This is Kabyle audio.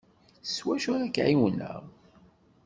S wacu ara k-ɛiwneɣ?